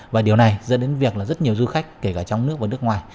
và điều này dẫn đến việc là rất nhiều du khách kể cả trong nước và nước ngoài